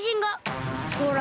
ほら。